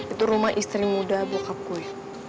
itu rumah istri muda bokap gue